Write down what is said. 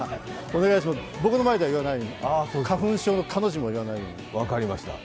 僕の前では言わないように、花粉症の「か」の字も言わないように。